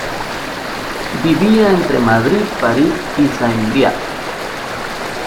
Vivía entre Madrid, París y Saint-Briac.